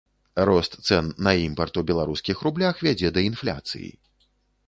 Рост цэн на імпарт у беларускіх рублях вядзе да інфляцыі.